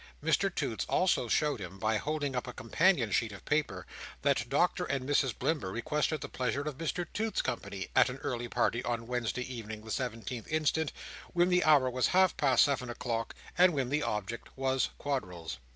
Mr Toots also showed him, by holding up a companion sheet of paper, that Doctor and Mrs Blimber requested the pleasure of Mr Toots's company at an early party on Wednesday Evening the Seventeenth Instant, when the hour was half past seven o'clock, and when the object was Quadrilles.